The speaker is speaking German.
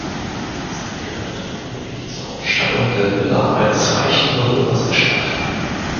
Sie gehörte vermutlich zur Ausstattung der Villa eines reichen Bewohners der Stadt.